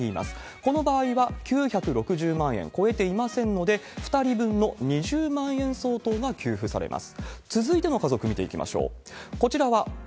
こちらも９６０万円は超えていませんので、２人分の２０万円相当が給付されるんです。